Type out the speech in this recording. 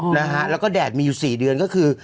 นะฮะแล้วก็แดดมีอยู่สี่เดือนก็คือ